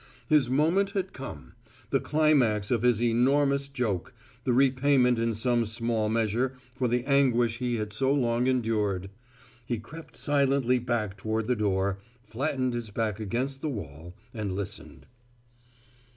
His moment had come: the climax of his enormous joke, the repayment in some small measure for the anguish he had so long endured. He crept silently back toward the door, flattened his back against the wall, and listened.